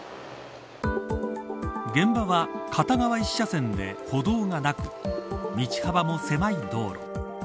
現場は片側１車線で歩道がなく道幅も狭い道路。